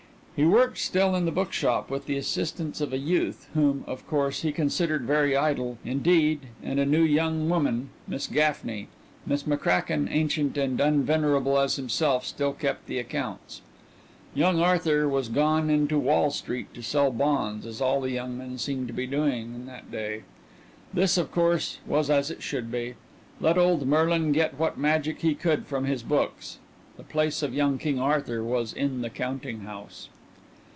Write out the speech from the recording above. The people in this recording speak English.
He worked still in the bookshop with the assistance of a youth, whom, of course, he considered very idle, indeed, and a new young woman, Miss Gaffney. Miss McCracken, ancient and unvenerable as himself, still kept the accounts. Young Arthur was gone into Wall Street to sell bonds, as all the young men seemed to be doing in that day. This, of course, was as it should be. Let old Merlin get what magic he could from his books the place of young King Arthur was in the counting house.